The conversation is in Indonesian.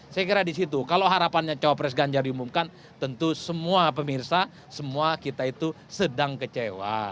saya kira di situ kalau harapannya cawapres ganjar diumumkan tentu semua pemirsa semua kita itu sedang kecewa